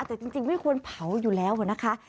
แต่จริงไม่ควรเผาอยู่แล้วนะคะ